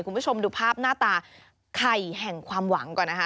คุณผู้ชมดูภาพหน้าตาไข่แห่งความหวังก่อนนะคะ